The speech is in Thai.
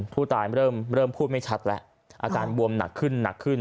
ผู้ตายเริ่มพูดไม่ชัดแล้วอาการบวมหนักขึ้นหนักขึ้น